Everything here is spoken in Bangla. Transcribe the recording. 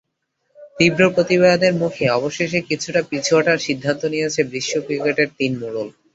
তীব্র প্রতিবাদের মুখে অবশেষে কিছুটা পিছু হটার সিদ্ধান্ত নিয়েছে বিশ্ব ক্রিকেটের তিন মোড়ল।